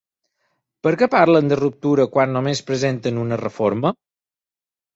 Per què parlen de ruptura quan només pretenen una reforma?